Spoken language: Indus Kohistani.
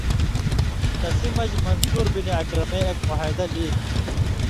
تسی مژ منصور بن عکرمے اېک معاہدہ لیکیۡ